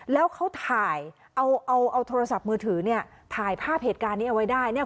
แล้วเขาถ่ายเอาเอาโทรศัพท์มือถือเนี่ยถ่ายภาพเหตุการณ์นี้เอาไว้ได้เนี่ย